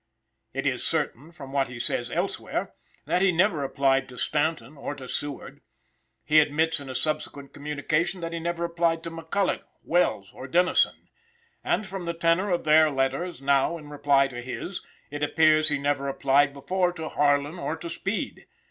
It is certain, from what he says elsewhere, that he never applied to Stanton or to Seward; he admits in a subsequent communication that he never applied to McCulloch, Welles or Dennison; and, from the tenor of their letters now in reply to his, it appears he never applied before to Harlan or to Speed.